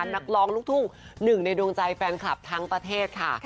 นักร้องลูกทุ่งหนึ่งในดวงใจแฟนคลับทั้งประเทศค่ะ